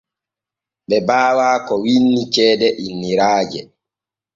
Ɓe baawa ko winni ceede innoraaje.